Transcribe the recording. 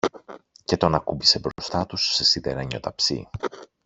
και τον ακούμπησε μπροστά τους, σε σιδερένιο ταψί.